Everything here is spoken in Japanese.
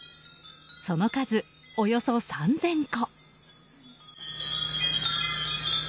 その数、およそ３０００個。